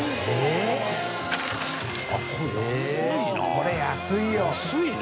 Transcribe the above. これ安いな。